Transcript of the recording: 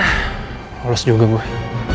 hah harus juga gue